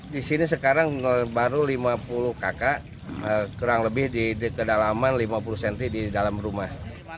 di sini sekarang baru lima puluh kakak kurang lebih di kedalaman lima puluh cm di dalam rumah